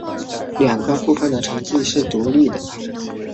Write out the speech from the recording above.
两个部分的成绩是独立的。